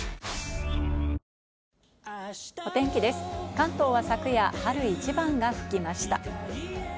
関東は昨夜、春一番が吹きました。